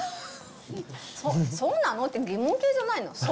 「そうなの？」って疑問形じゃないの？